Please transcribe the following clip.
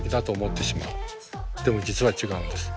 でも実は違うんです。